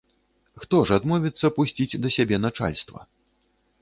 Хто ж адмовіцца пусціць да сябе начальства?